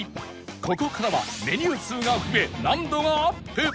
ここからはメニュー数が増え難度がアップ！